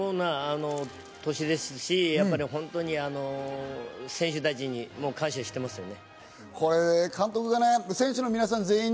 最高な年ですし、本当に選手たちにも感謝していますね。